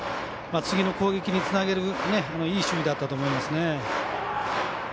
次の攻撃につなげるいい守備だったと思いますね。